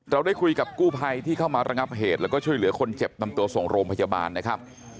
ได้คุยกับกู้ภัยที่เข้ามาระงับเหตุแล้วก็ช่วยเหลือคนเจ็บนำตัวส่งโรงพยาบาลนะครับ